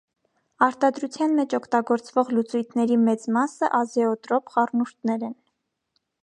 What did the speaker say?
Արտադրության մեջ օգտագործվող՚ լուծույթների մեծ մասը ազեոտրոպ խառնուրդներ են։